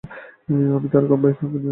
আমি তার ভাইকে নিয়ে আসব।